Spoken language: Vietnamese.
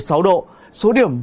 số điểm đặc biệt là